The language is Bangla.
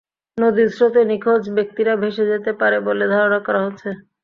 নদীর স্রোতে নিখোঁজ ব্যক্তিরা ভেসে যেতে পারে বলে ধারণা করা হচ্ছে।